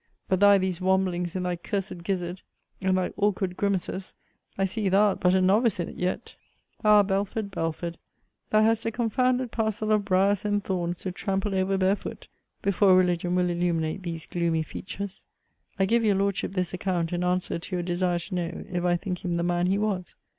But thy these wamblings in thy cursed gizzard, and thy awkward grimaces, I see thou'rt but a novice in it yet! Ah, Belford, Belford, thou hast a confounded parcel of briers and thorns to trample over barefoot, before religion will illuminate these gloomy features!' I give your Lordship this account, in answer to your desire to know, if I think him the man he was.